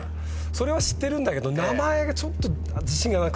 それは知ってるんだけど名前がちょっと自信がなくて。